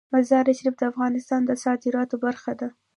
مزارشریف د افغانستان د صادراتو برخه ده.